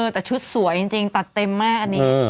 แต่ชุดสวยจริงทัดเต็มมาก